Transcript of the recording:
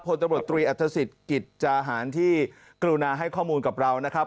ตำรวจตรีอัฐศิษย์กิจจาหารที่กรุณาให้ข้อมูลกับเรานะครับ